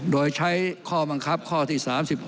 โดยใช้ข้อบังคับข้อที่๓๖